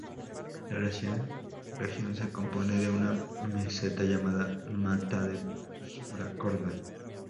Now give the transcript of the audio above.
La región se compone de una meseta llamada Mata da Corda.